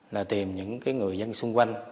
là tìm những người dân xung quanh